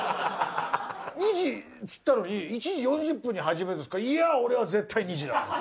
２時っつったのに１時４０分に始めるんですかいや俺は絶対２時だ。